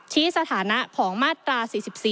สถานะของมาตรา๔๔